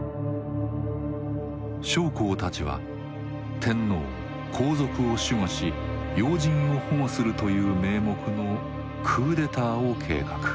将校たちは天皇皇族を守護し要人を保護するという名目のクーデターを計画。